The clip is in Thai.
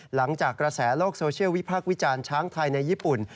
หลังจากกระแสโลกโซเชียลวิพากษ์วิจารณ์ช้างไทยในญี่ปุ่น